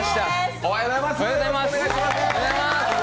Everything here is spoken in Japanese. おはようございます！